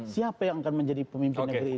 siapa yang akan menjadi pemimpin negeri ini